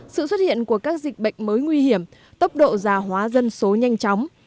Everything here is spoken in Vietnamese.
sự xuất hiện của các dịch bệnh mới nguy hiểm tốc độ già hóa dân số nhanh chóng